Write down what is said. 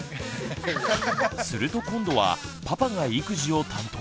すると今度はパパが育児を担当。